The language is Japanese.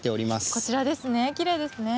こちらですね、きれいですね。